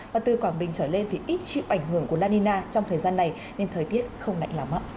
và từ quảng bình trở lên thì ít chịu ảnh hưởng của la nina trong thời gian này nên thời tiết không lạnh lắm